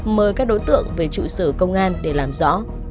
mời các đối tượng về trụ sở công an để làm rõ